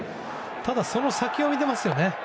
ただ、その先を見ていますね。